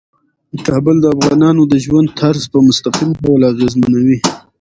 کابل د افغانانو د ژوند طرز په مستقیم ډول اغېزمنوي.